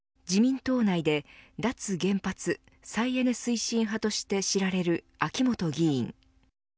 自民党内で脱原発・再エネ推進派として知られる秋本議員。